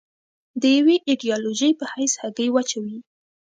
د یوې ایدیالوژۍ په حیث هګۍ واچوي.